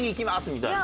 みたいな。